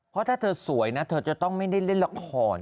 เพราะถ้าเธอสวยนะเธอจะต้องไม่ได้เล่นละคร